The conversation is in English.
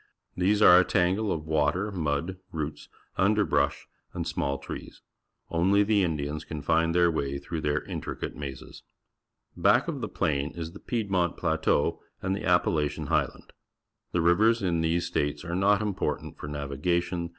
These are a tangle of water, mud, roots, underl^rush^ and small trees. Only the Indians can find their way through their intricate mazes. Back of the plain is the Piedmont Plateau and the Appalachian Highland. The rivers in these states are not important for navigation.